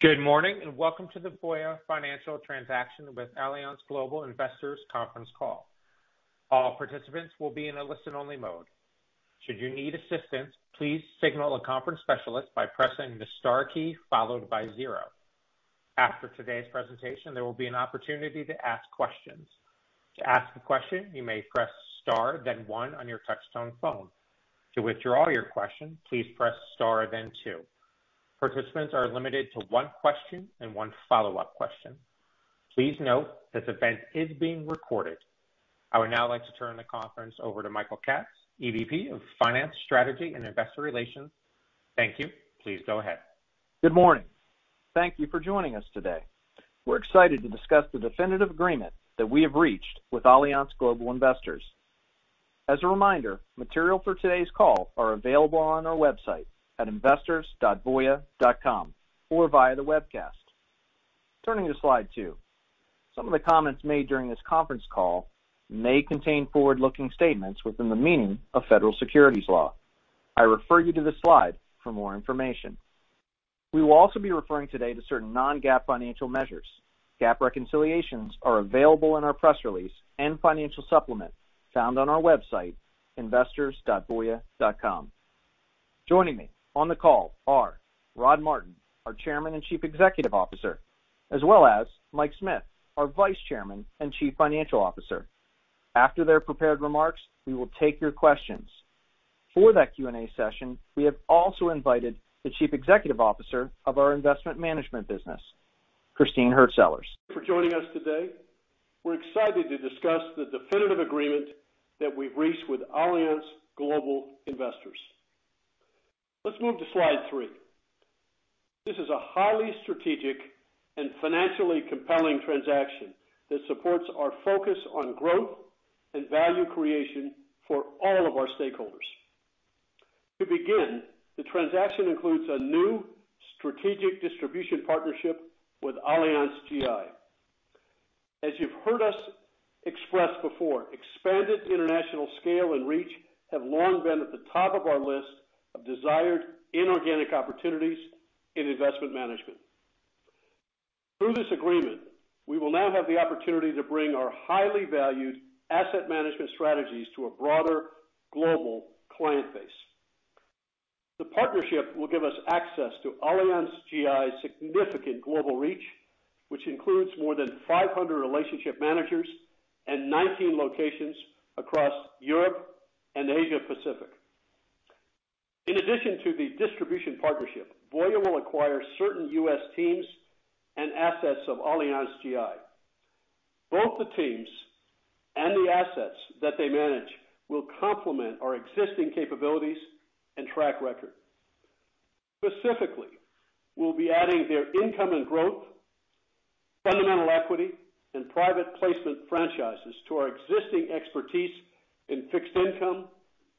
`Good morning, and welcome to the Voya Financial transaction with Allianz Global Investors conference call. All participants will be in a listen-only mode. Should you need assistance, please signal a conference specialist by pressing the star key followed by zero. After today's presentation, there will be an opportunity to ask questions. To ask a question, you may press star, then one on your touchtone phone. To withdraw your question, please press star then two. Participants are limited to one question and one follow-up question. Please note, this event is being recorded. I would now like to turn the conference over to Michael Katz, EVP of Finance, Strategy and Investor Relations. Thank you. Please go ahead. Good morning. Thank you for joining us today. We're excited to discuss the definitive agreement that we have reached with Allianz Global Investors. As a reminder, material for today's call are available on our website at investors.voya.com or via the webcast. Turning to slide two, some of the comments made during this conference call may contain forward-looking statements within the meaning of federal securities laws. I refer you to this slide for more information. We will also be referring today to certain non-GAAP financial measures. GAAP reconciliations are available in our press release and financial supplement found on our website, investors.voya.com. Joining me on the call are Rod Martin, our Chairman and Chief Executive Officer, as well as Mike Smith, our Vice Chairman and Chief Financial Officer. After their prepared remarks, we will take your questions. For that Q&A session, we have also invited the Chief Executive Officer of our investment management business, Christine Hurtsellers. For joining us today, we're excited to discuss the definitive agreement that we've reached with Allianz Global Investors. Let's move to slide three. This is a highly strategic and financially compelling transaction that supports our focus on growth and value creation for all of our stakeholders. To begin, the transaction includes a new strategic distribution partnership with Allianz GI. As you've heard us express before, expanded international scale and reach have long been at the top of our list of desired inorganic opportunities in investment management. Through this agreement, we will now have the opportunity to bring our highly valued asset management strategies to a broader global client base. The partnership will give us access to Allianz GI's significant global reach, which includes more than 500 relationship managers and 19 locations across Europe and Asia Pacific. In addition to the distribution partnership, Voya will acquire certain U.S. teams and assets of Allianz GI. Both the teams and the assets that they manage will complement our existing capabilities and track record. Specifically, we'll be adding their Income and Growth, fundamental equity, and private placement franchises to our existing expertise in fixed income,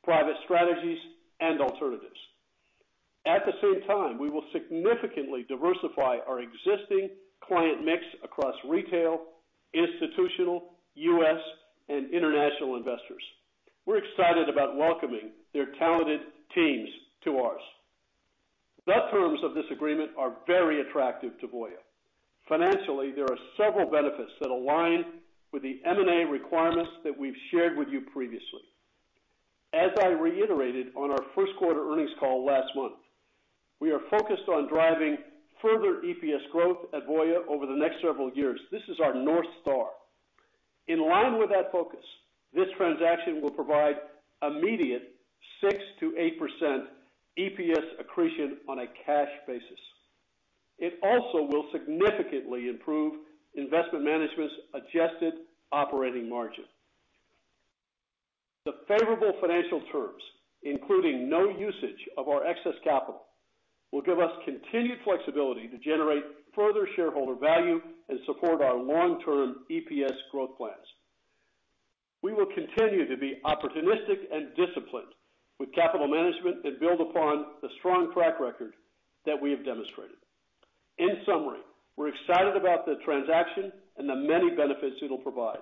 private strategies, and alternatives. At the same time, we will significantly diversify our existing client mix across retail, institutional, U.S., and international investors. We're excited about welcoming their talented teams to ours. The terms of this agreement are very attractive to Voya. Financially, there are several benefits that align with the M&A requirements that we've shared with you previously. As I reiterated on our first quarter earnings call last month, we are focused on driving further EPS growth at Voya over the next several years. This is our North Star. In line with that focus, this transaction will provide immediate 6%-8% EPS accretion on a cash basis. It also will significantly improve investment management's adjusted operating margin. The favorable financial terms, including no usage of our excess capital, will give us continued flexibility to generate further shareholder value and support our long-term EPS growth plans. We will continue to be opportunistic and disciplined with capital management that build upon the strong track record that we have demonstrated. In summary, we're excited about the transaction and the many benefits it'll provide.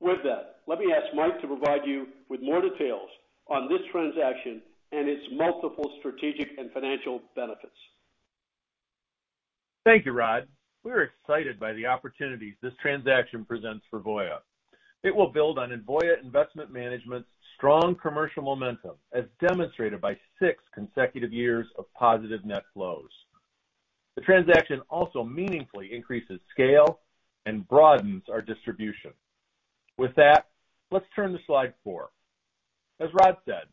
With that, let me ask Mike to provide you with more details on this transaction and its multiple strategic and financial benefits. Thank you, Rod. We're excited by the opportunities this transaction presents for Voya. It will build on Voya Investment Management's strong commercial momentum, as demonstrated by six consecutive years of positive net flows. The transaction also meaningfully increases scale and broadens our distribution. With that, let's turn to slide four. As Rod said,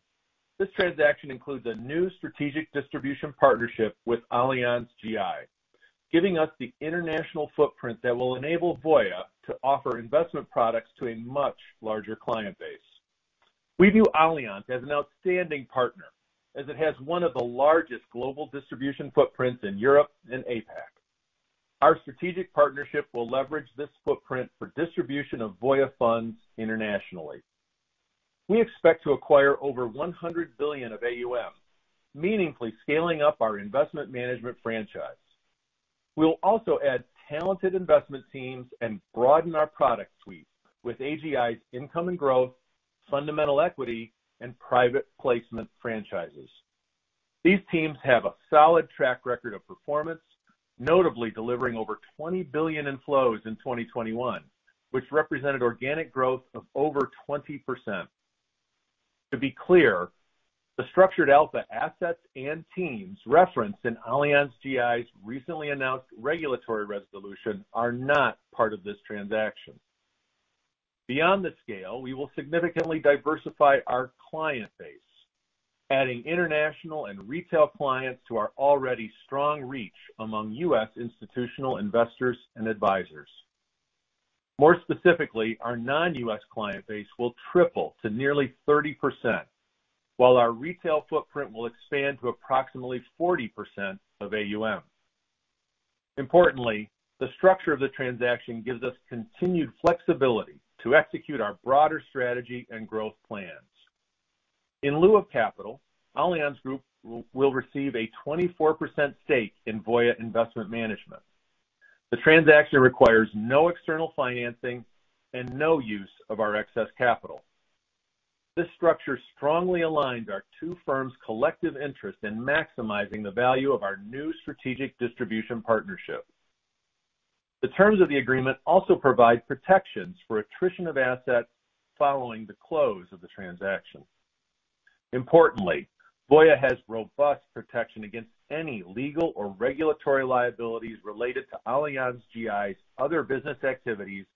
this transaction includes a new strategic distribution partnership with Allianz GI, giving us the international footprint that will enable Voya to offer investment products to a much larger client base. We view Allianz as an outstanding partner, as it has one of the largest global distribution footprints in Europe and APAC. Our strategic partnership will leverage this footprint for distribution of Voya funds internationally. We expect to acquire over $100 billion of AUM, meaningfully scaling up our investment management franchise. We will also add talented investment teams and broaden our product suite with AGI's Income and Growth, fundamental equity and private placement franchises. These teams have a solid track record of performance, notably delivering over $20 billion in flows in 2021, which represented organic growth of over 20%. To be clear, the Structured Alpha assets and teams referenced in Allianz GI's recently announced regulatory resolution are not part of this transaction. Beyond the scale, we will significantly diversify our client base, adding international and retail clients to our already strong reach among U.S. institutional investors and advisors. More specifically, our non-U.S. client base will triple to nearly 30%, while our retail footprint will expand to approximately 40% of AUM. Importantly, the structure of the transaction gives us continued flexibility to execute our broader strategy and growth plans. In lieu of capital, Allianz Group will receive a 24% stake in Voya Investment Management. The transaction requires no external financing and no use of our excess capital. This structure strongly aligns our two firms' collective interest in maximizing the value of our new strategic distribution partnership. The terms of the agreement also provide protections for attrition of assets following the close of the transaction. Importantly, Voya has robust protection against any legal or regulatory liabilities related to Allianz GI's other business activities,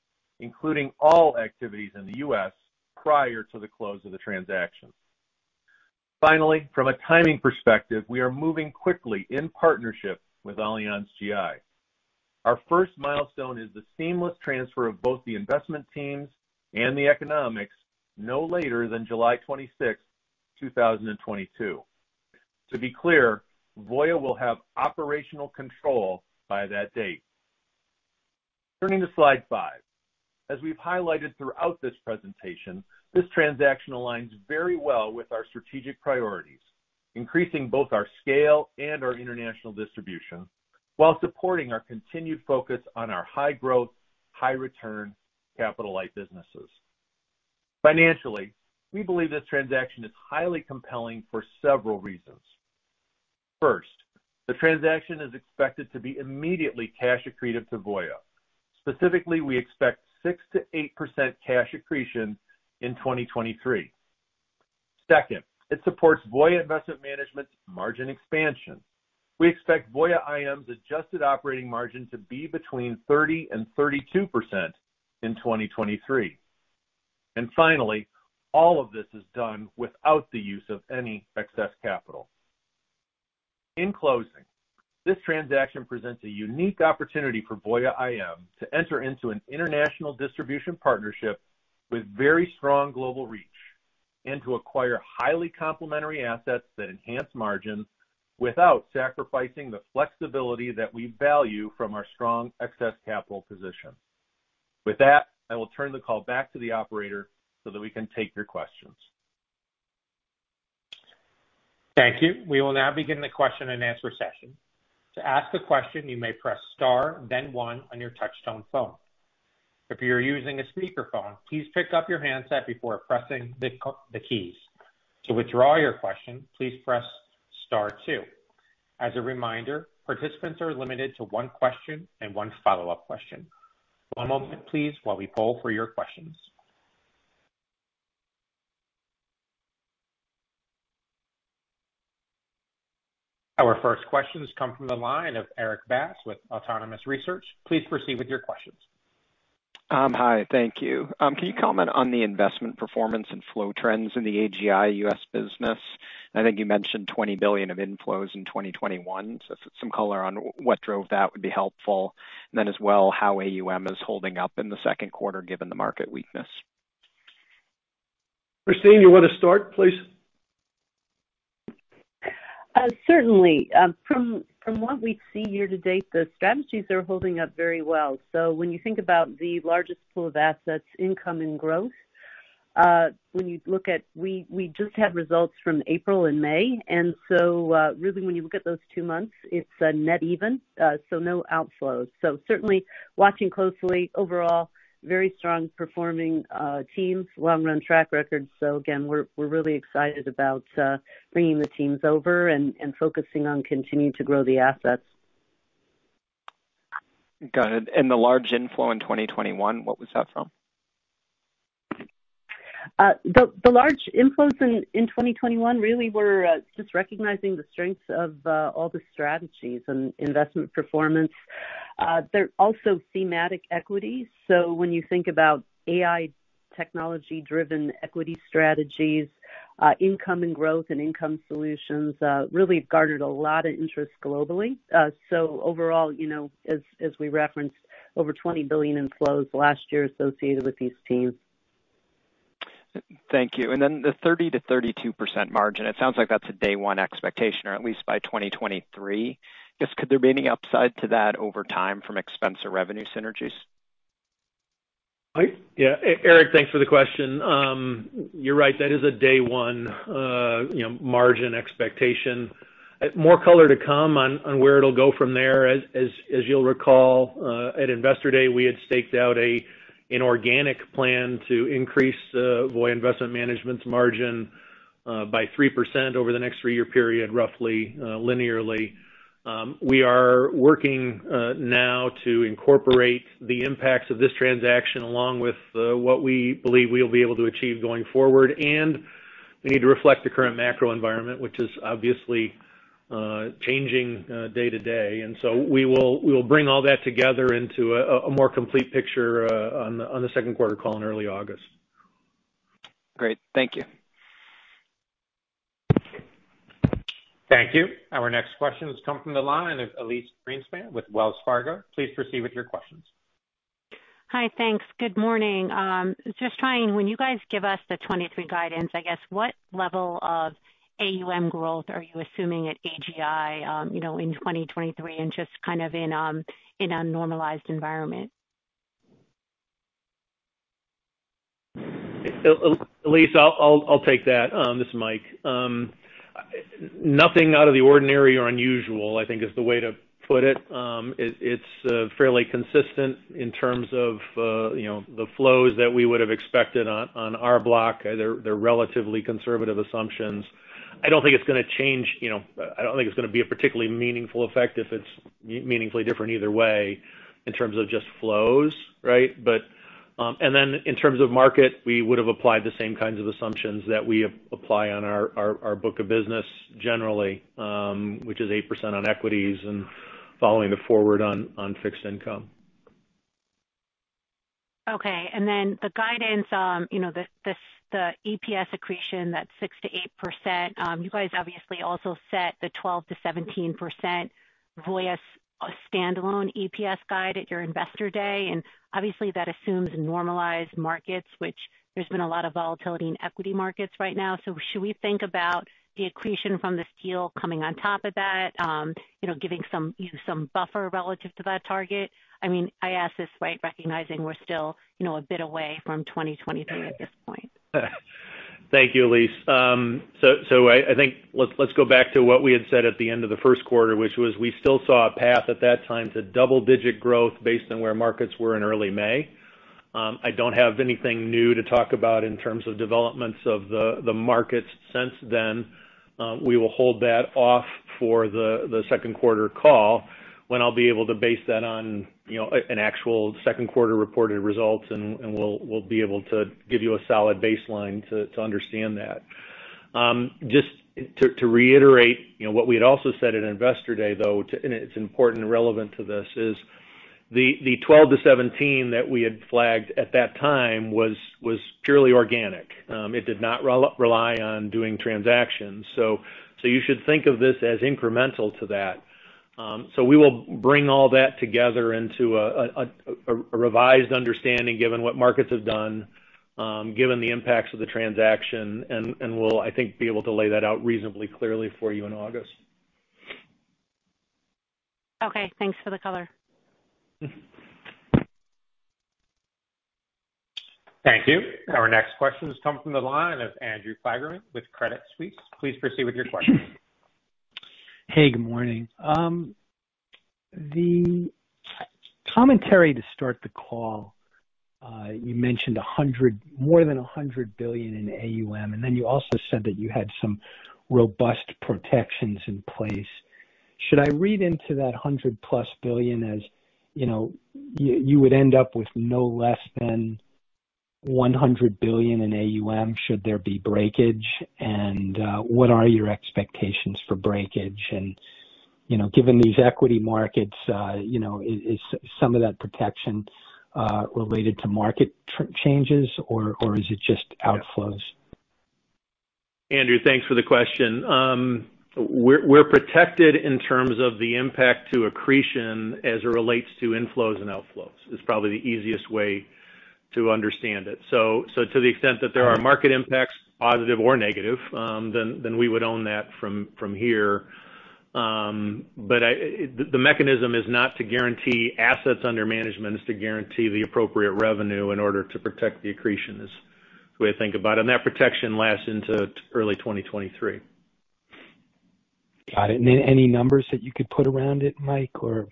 including all activities in the U.S., prior to the close of the transaction. Finally, from a timing perspective, we are moving quickly in partnership with Allianz GI. Our first milestone is the seamless transfer of both the investment teams and the economics no later than July 26, 2022. To be clear, Voya will have operational control by that date. Turning to slide five. As we've highlighted throughout this presentation, this transaction aligns very well with our strategic priorities, increasing both our scale and our international distribution while supporting our continued focus on our high growth, high return capital light businesses. Financially, we believe this transaction is highly compelling for several reasons. First, the transaction is expected to be immediately cash accretive to Voya. Specifically, we expect 6%-8% cash accretion in 2023. Second, it supports Voya Investment Management's margin expansion. We expect Voya IM's adjusted operating margin to be between 30% and 32% in 2023. Finally, all of this is done without the use of any excess capital. In closing, this transaction presents a unique opportunity for Voya IM to enter into an international distribution partnership with very strong global reach and to acquire highly complementary assets that enhance margins without sacrificing the flexibility that we value from our strong excess capital position. With that, I will turn the call back to the operator so that we can take your questions. Thank you. We will now begin the question-and-answer session. To ask a question, you may press star then one on your touch-tone phone. If you're using a speakerphone, please pick up your handset before pressing the keys. To withdraw your question, please press star two. As a reminder, participants are limited to one question and one follow-up question. One moment, please, while we poll for your questions. Our first questions come from the line of Erik Bass with Autonomous Research. Please proceed with your questions. Hi. Thank you. Can you comment on the investment performance and flow trends in the AGI US business? I think you mentioned $20 billion of inflows in 2021, so some color on what drove that would be helpful. Then as well, how AUM is holding up in the second quarter, given the market weakness. Christine, you want to start, please? Certainly. From what we see year to date, the strategies are holding up very well. When you think about the largest pool of assets, Income and Growth. We just had results from April and May, and so, really when you look at those two months, it's net even, so no outflows. Certainly watching closely, overall, very strong performing teams, long run track record. Again, we're really excited about bringing the teams over and focusing on continuing to grow the assets. Got it. The large inflow in 2021, what was that from? The large inflows in 2021 really were just recognizing the strengths of all the strategies and investment performance. They're also thematic equities, so when you think about AI technology-driven equity strategies, Income and Growth and income solutions really have garnered a lot of interest globally. Overall, you know, as we referenced, over $20 billion in flows last year associated with these teams. Thank you. The 30%-32% margin, it sounds like that's a day one expectation, or at least by 2023. I guess, could there be any upside to that over time from expense or revenue synergies? Yeah. Erik, thanks for the question. You're right, that is a day one, you know, margin expectation. More color to come on where it'll go from there. As you'll recall, at Investor Day, we had staked out an organic plan to increase Voya Investment Management's margin by 3% over the next three-year period, roughly, linearly. We are working now to incorporate the impacts of this transaction along with what we believe we will be able to achieve going forward. We need to reflect the current macro environment, which is obviously changing day to day. We will bring all that together into a more complete picture on the second quarter call in early August. Great. Thank you. Thank you. Our next question has come from the line of Elyse Greenspan with Wells Fargo. Please proceed with your questions. Hi. Thanks. Good morning. Just trying when you guys give us the 2023 guidance, I guess, what level of AUM growth are you assuming at AGI, you know, in 2023 and just kind of in a normalized environment? Elyse, I'll take that. This is Mike. Nothing out of the ordinary or unusual, I think is the way to put it. It's fairly consistent in terms of, you know, the flows that we would have expected on our book. They're relatively conservative assumptions. I don't think it's gonna change, you know, I don't think it's gonna be a particularly meaningful effect if it's meaningfully different either way in terms of just flows, right? In terms of market, we would have applied the same kinds of assumptions that we apply on our book of business generally, which is 8% on equities and following the forward on fixed income. Okay. The guidance, you know, the EPS accretion, that 6%-8%, you guys obviously also set the 12%-17% Voya standalone EPS guide at your Investor Day. Obviously, that assumes normalized markets, which there's been a lot of volatility in equity markets right now. Should we think about the accretion from this deal coming on top of that? You know, giving some, you know, some buffer relative to that target? I mean, I ask this, right, recognizing we're still, you know, a bit away from 2023 at this point. Thank you, Elyse. I think, let's go back to what we had said at the end of the first quarter, which was, we still saw a path at that time to double-digit growth based on where markets were in early May. I don't have anything new to talk about in terms of developments of the markets since then. We will hold that off for the second quarter call when I'll be able to base that on, you know, an actual second quarter reported results, and we'll be able to give you a solid baseline to understand that. Just to reiterate what we had also said at Investor Day, and it's important and relevant to this, is the 12%-17% that we had flagged at that time was purely organic. It did not rely on doing transactions. You should think of this as incremental to that. We will bring all that together into a revised understanding given what markets have done, given the impacts of the transaction, and we'll, I think, be able to lay that out reasonably clearly for you in August. Okay. Thanks for the color. Thank you. Our next question has come from the line of Andrew Kligerman with Credit Suisse. Please proceed with your question. Hey, good morning. The commentary to start the call, you mentioned 100, more than $100 billion in AUM, and then you also said that you had some robust protections in place. Should I read into that 100+ billion as, you know, you would end up with no less than $100 billion in AUM should there be breakage? And what are your expectations for breakage? And, you know, given these equity markets, you know, is some of that protection related to market changes, or is it just outflows? Andrew, thanks for the question. We're protected in terms of the impact to accretion as it relates to inflows and outflows. It's probably the easiest way to understand it. To the extent that there are market impacts, positive or negative, then we would own that from here. The mechanism is not to guarantee assets under management. It's to guarantee the appropriate revenue in order to protect the accretion, is the way to think about it. That protection lasts into early 2023. Got it. Any numbers that you could put around it, Mike, or?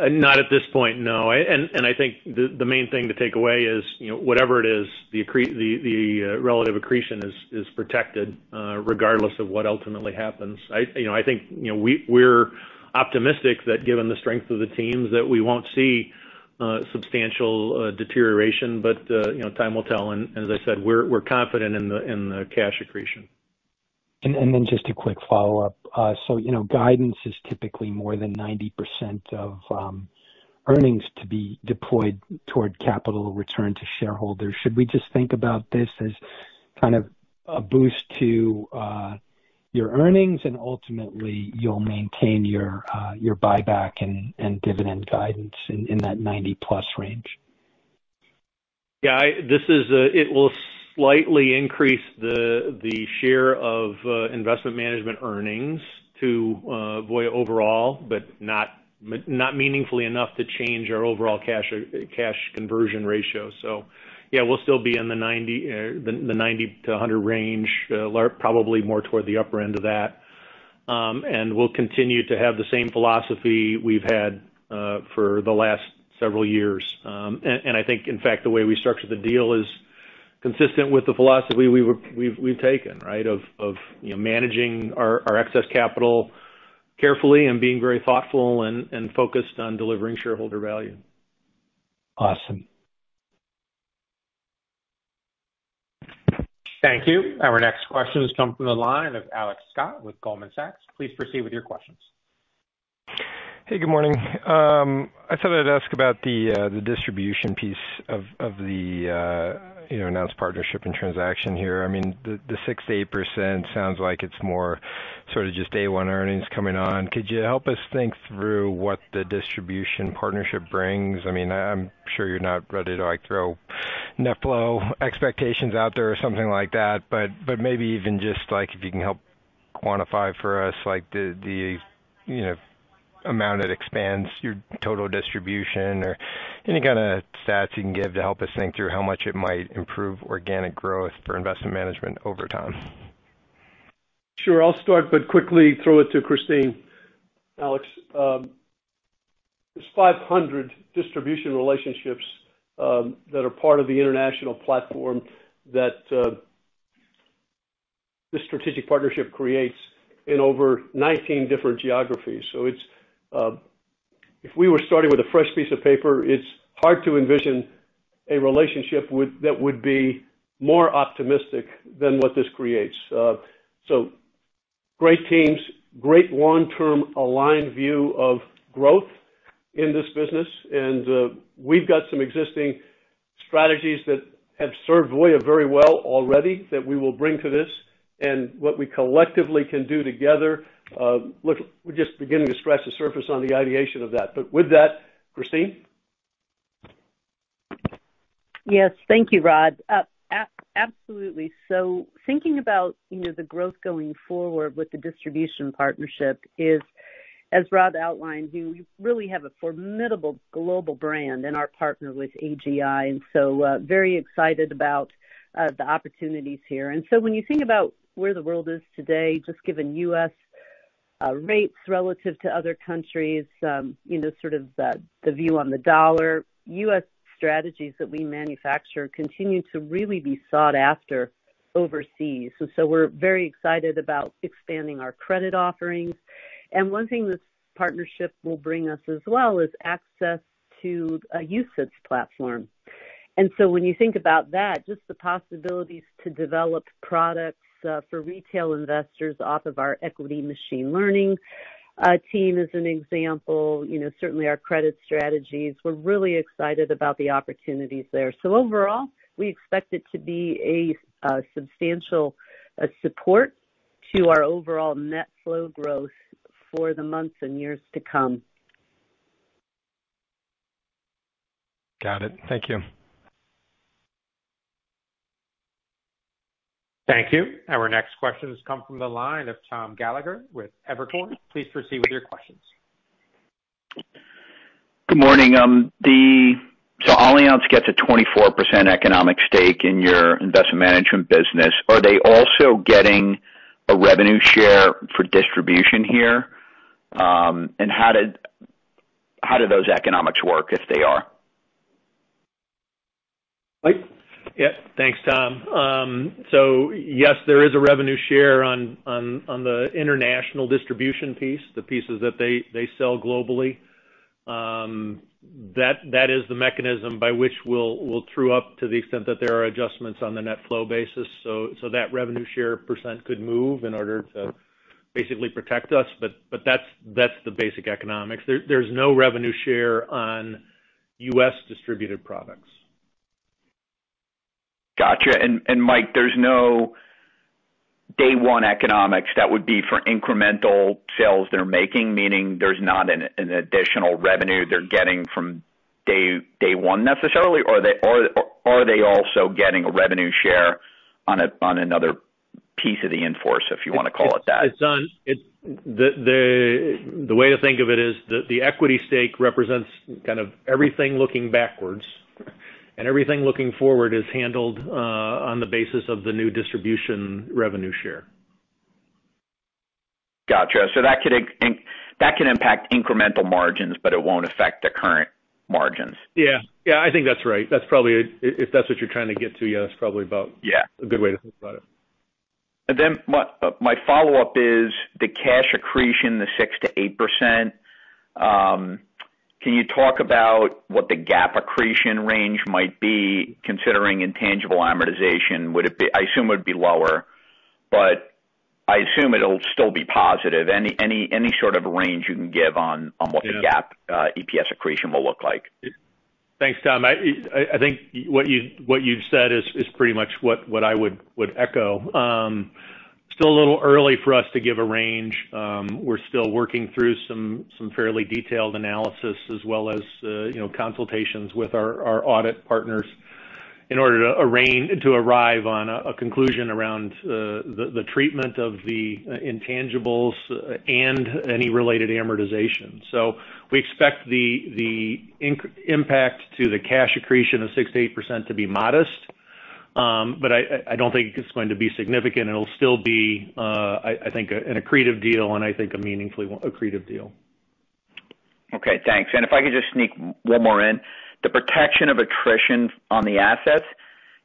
Not at this point, no. I think the main thing to take away is, you know, whatever it is, the relative accretion is protected, regardless of what ultimately happens. You know, I think, you know, we're optimistic that given the strength of the teams that we won't see substantial deterioration, but you know, time will tell. As I said, we're confident in the cash accretion. Just a quick follow-up. So, you know, guidance is typically more than 90% of earnings to be deployed toward capital return to shareholders. Should we just think about this as kind of a boost to your earnings and ultimately you'll maintain your buyback and dividend guidance in that 90-plus range? Yeah. This is, it will slightly increase the share of investment management earnings to Voya overall, but not meaningfully enough to change our overall cash conversion ratio. Yeah, we'll still be in the 90%-100% range, probably more toward the upper end of that. We'll continue to have the same philosophy we've had for the last several years. I think, in fact, the way we structured the deal is consistent with the philosophy we've taken, right? Of you know, managing our excess capital carefully and being very thoughtful and focused on delivering shareholder value. Awesome. Thank you. Our next question has come from the line of Alex Scott with Goldman Sachs. Please proceed with your questions. Hey, good morning. I thought I'd ask about the distribution piece of the you know, announced partnership and transaction here. I mean, the 6%-8% sounds like it's more sort of just day one earnings coming on. Could you help us think through what the distribution partnership brings? I mean, I'm sure you're not ready to, like, throw net flow expectations out there or something like that, but maybe even just, like, if you can help quantify for us, like, the you know, amount it expands your total distribution or any kind of stats you can give to help us think through how much it might improve organic growth for investment management over time? Sure. I'll start, but quickly throw it to Christine. Alex, there's 500 distribution relationships that are part of the international platform that this strategic partnership creates in over 19 different geographies. It's if we were starting with a fresh piece of paper, it's hard to envision a relationship that would be more optimistic than what this creates. Great teams, great long-term aligned view of growth in this business. We've got some existing strategies that have served Voya very well already that we will bring to this. What we collectively can do together, look, we're just beginning to scratch the surface on the ideation of that. With that, Christine. Yes, thank you, Rod. Absolutely. Thinking about, you know, the growth going forward with the distribution partnership is, as Rod outlined, you really have a formidable global brand in our partner with AGI, and so very excited about the opportunities here. When you think about where the world is today, just given U.S. rates relative to other countries, you know, sort of the view on the dollar, U.S. strategies that we manufacture continue to really be sought after overseas. We're very excited about expanding our credit offerings. One thing this partnership will bring us as well is access to UCITS platform. When you think about that, just the possibilities to develop products for retail investors off of our equity machine learning team as an example, you know, certainly our credit strategies. We're really excited about the opportunities there. Overall, we expect it to be a substantial support to our overall net flow growth for the months and years to come. Got it. Thank you. Thank you. Our next question has come from the line of Tom Gallagher with Evercore. Please proceed with your questions. Good morning. Allianz gets a 24% economic stake in your investment management business. Are they also getting a revenue share for distribution here? How do those economics work if they are? Mike? Yeah. Thanks, Tom. Yes, there is a revenue share on the international distribution piece, the pieces that they sell globally. That is the mechanism by which we'll true up to the extent that there are adjustments on the net flow basis. That revenue share percent could move in order to basically protect us. That's the basic economics. There's no revenue share on US distributed products. Gotcha. Mike, there's no day one economics that would be for incremental sales they're making, meaning there's not an additional revenue they're getting from day one necessarily, or are they also getting a revenue share on another piece of the in-force, if you wanna call it that? The way to think of it is the equity stake represents kind of everything looking backwards, and everything looking forward is handled on the basis of the new distribution revenue share. Gotcha. So that can impact incremental margins, but it won't affect the current margins? Yeah. Yeah, I think that's right. That's probably. If that's what you're trying to get to, yeah, that's probably about. Yeah. A good way to think about it. Then my follow-up is the cash accretion, the 6%-8%. Can you talk about what the GAAP accretion range might be considering intangible amortization? Would it be lower, but I assume it would be lower, but I assume it'll still be positive. Any sort of range you can give on what the GAAP EPS accretion will look like? Thanks, Tom. I think what you've said is pretty much what I would echo. Still a little early for us to give a range. We're still working through some fairly detailed analysis as well as, you know, consultations with our audit partners in order to arrive at a conclusion around the treatment of the intangibles and any related amortization. We expect the impact to the cash accretion of 6%-8% to be modest, but I don't think it's going to be significant. It'll still be, I think, an accretive deal and I think a meaningfully accretive deal. Okay, thanks. If I could just sneak one more in. The protection of attrition on the assets,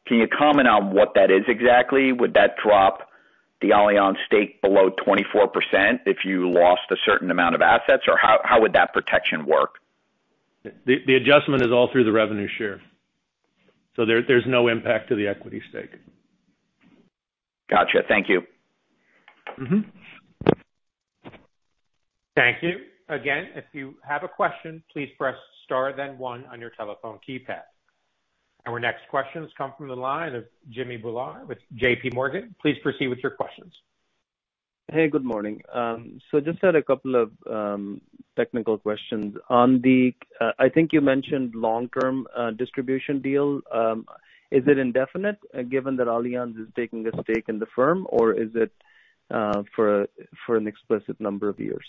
can you comment on what that is exactly? Would that drop the Allianz stake below 24% if you lost a certain amount of assets? Or how would that protection work? The adjustment is all through the revenue share. There's no impact to the equity stake. Gotcha. Thank you. Thank you. Again, if you have a question, please press star then one on your telephone keypad. Our next questions come from the line of Jimmy Bhullar with J.P. Morgan. Please proceed with your questions. Hey, good morning. Just had a couple of technical questions. On the, I think you mentioned long-term distribution deal. Is it indefinite given that Allianz is taking a stake in the firm, or is it for an explicit number of years?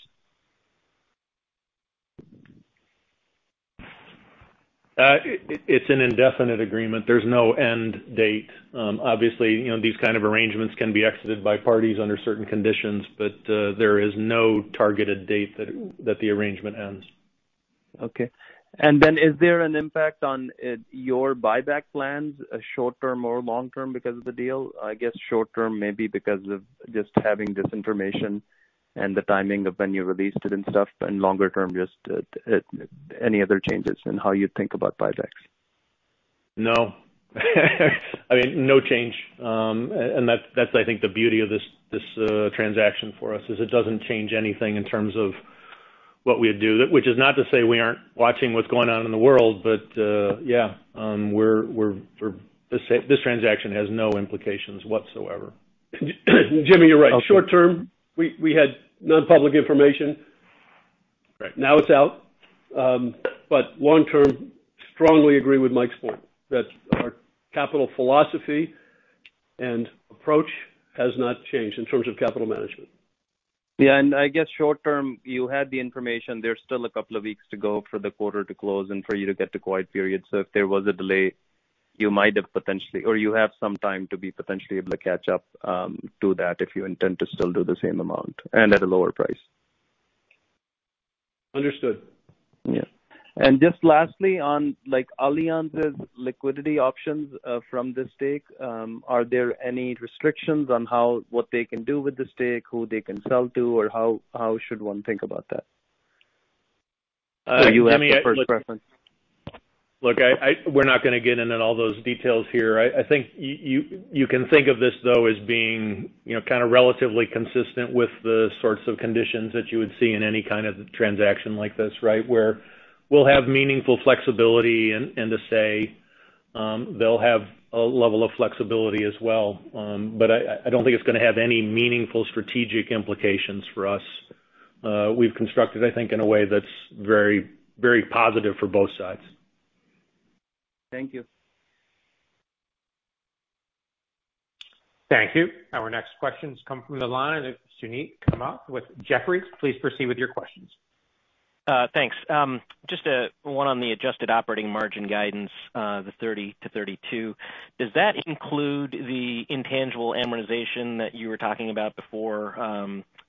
It's an indefinite agreement. There's no end date. Obviously, you know, these kind of arrangements can be exited by parties under certain conditions, but there is no targeted date that the arrangement ends. Okay. Is there an impact on your buyback plans, short term or long term because of the deal? I guess short term, maybe because of just having this information and the timing of when you released it and stuff, and longer term, just any other changes in how you think about buybacks. No. I mean, no change. That's, I think, the beauty of this transaction for us, is it doesn't change anything in terms of what we do. Which is not to say we aren't watching what's going on in the world, but this transaction has no implications whatsoever. Jimmy, you're right. Short term, we had non-public information. Now it's out. Long term, strongly agree with Mike's point that our capital philosophy and approach has not changed in terms of capital management. Yeah, I guess short term, you had the information. There's still a couple of weeks to go for the quarter to close and for you to get to quiet period. If there was a delay, you might have potentially or you have some time to be potentially able to catch up to that if you intend to still do the same amount and at a lower price? Understood. Just lastly on, like, Allianz's liquidity options from this stake, are there any restrictions on what they can do with the stake, who they can sell to, or how should one think about that? Or you have the first preference. Look, we're not gonna get into all those details here. I think you can think of this though as being, you know, kind of relatively consistent with the sorts of conditions that you would see in any kind of transaction like this, right? Where we'll have meaningful flexibility and a say, they'll have a level of flexibility as well. I don't think it's gonna have any meaningful strategic implications for us. We've constructed, I think, in a way that's very, very positive for both sides. Thank you. Thank you. Our next questions come from the line of Suneet Kamath with Jefferies. Please proceed with your questions. Thanks. Just one on the adjusted operating margin guidance, the 30%-32%. Does that include the intangible amortization that you were talking about before,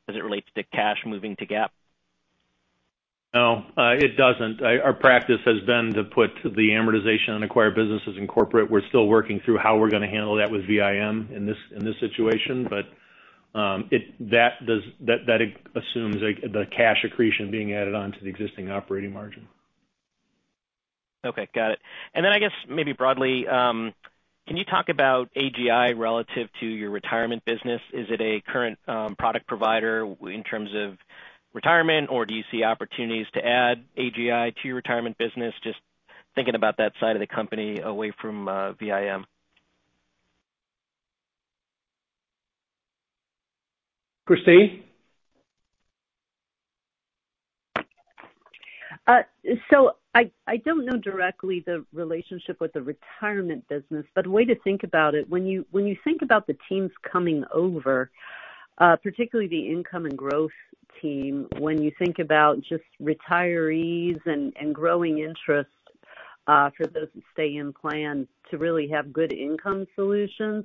as it relates to cash moving to GAAP? No, it doesn't. Our practice has been to put the amortization on acquired businesses in corporate. We're still working through how we're gonna handle that with VIM in this situation. That assumes the cash accretion being added on to the existing operating margin. Okay, got it. I guess maybe broadly, can you talk about AGI relative to your retirement business? Is it a current product provider in terms of retirement, or do you see opportunities to add AGI to your retirement business? Just thinking about that side of the company away from VIM. Christine? I don't know directly the relationship with the retirement business, but way to think about it, when you think about the teams coming over, particularly the Income and Growth team, when you think about just retirees and growing interest for those who stay in plan to really have good income solutions,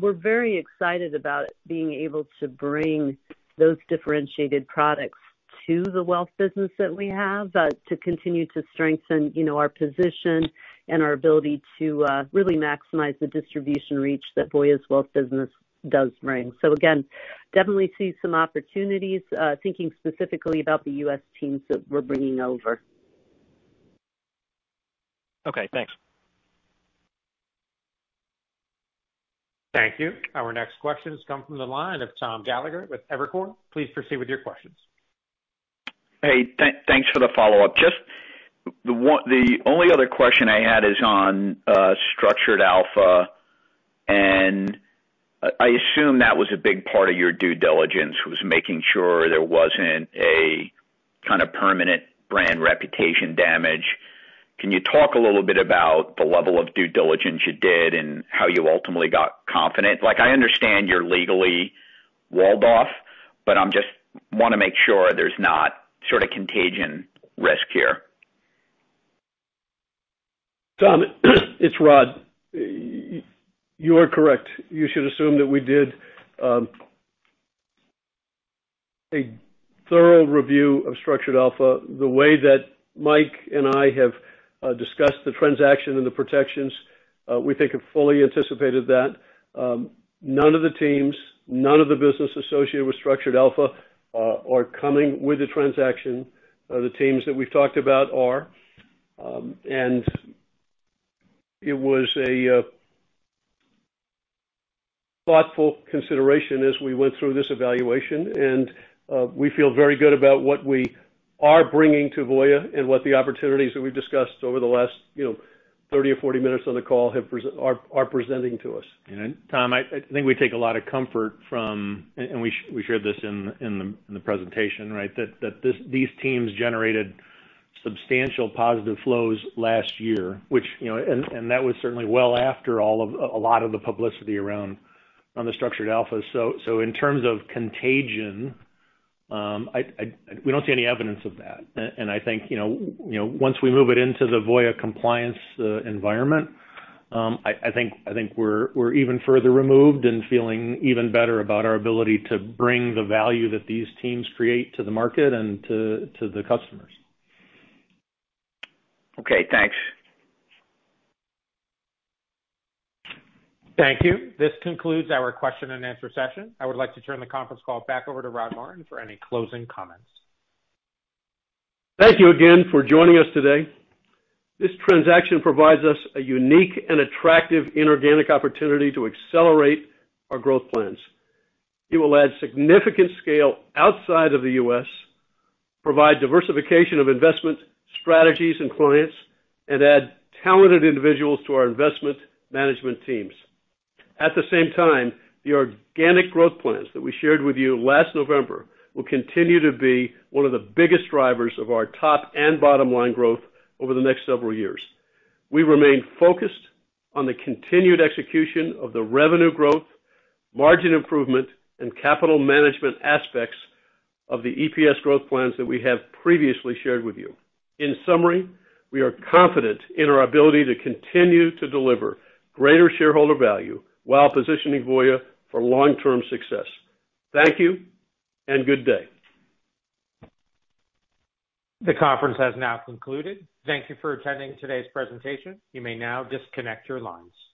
we're very excited about being able to bring those differentiated products to the wealth business that we have to continue to strengthen, you know, our position and our ability to really maximize the distribution reach that Voya's wealth business does bring. Again, definitely see some opportunities, thinking specifically about the U.S. teams that we're bringing over. Okay, thanks. Thank you. Our next questions come from the line of Tom Gallagher with Evercore. Please proceed with your questions. Hey, thanks for the follow-up. Just the one, the only other question I had is on Structured Alpha, and I assume that was a big part of your due diligence, was making sure there wasn't a kind of permanent brand reputation damage. Can you talk a little bit about the level of due diligence you did and how you ultimately got confident? Like, I understand you're legally walled off, but I'm just wanna make sure there's not sort of contagion risk here. Tom, it's Rod. You are correct. You should assume that we did a thorough review of Structured Alpha. The way that Mike and I have discussed the transaction and the protections, we think it fully anticipated that. None of the teams, none of the business associated with Structured Alpha, are coming with the transaction. The teams that we've talked about are, and it was a thoughtful consideration as we went through this evaluation, and we feel very good about what we are bringing to Voya and what the opportunities that we've discussed over the last, you know, 30 or 40 minutes on the call are presenting to us. Tom, I think we take a lot of comfort from, and we shared this in the presentation, right? That these teams generated substantial positive flows last year, which, you know, that was certainly well after a lot of the publicity around the Structured Alpha. In terms of contagion, we don't see any evidence of that. I think, you know, once we move it into the Voya compliance environment, I think we're even further removed and feeling even better about our ability to bring the value that these teams create to the market and to the customers. Okay, thanks. Thank you. This concludes our question-and-answer session. I would like to turn the conference call back over to Rod Martin for any closing comments. Thank you again for joining us today. This transaction provides us a unique and attractive inorganic opportunity to accelerate our growth plans. It will add significant scale outside of the US, provide diversification of investment strategies and clients, and add talented individuals to our investment management teams. At the same time, the organic growth plans that we shared with you last November will continue to be one of the biggest drivers of our top and bottom line growth over the next several years. We remain focused on the continued execution of the revenue growth, margin improvement, and capital management aspects of the EPS growth plans that we have previously shared with you. In summary, we are confident in our ability to continue to deliver greater shareholder value while positioning Voya for long-term success. Thank you and good day. The conference has now concluded. Thank you for attending today's presentation. You may now disconnect your lines.